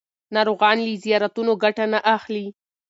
ناروغان له زیارتونو ګټه نه اخلي.